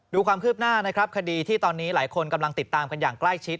ดูความคืบหน้านะครับคดีที่ตอนนี้หลายคนกำลังติดตามกันอย่างใกล้ชิด